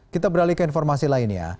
kita beralih ke informasi lainnya